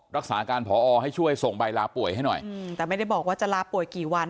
รักษาการพอให้ช่วยส่งใบลาป่วยให้หน่อยแต่ไม่ได้บอกว่าจะลาป่วยกี่วัน